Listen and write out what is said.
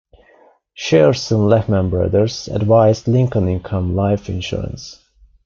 Shearson Lehman Brothers advised Lincoln Income Life Insurance.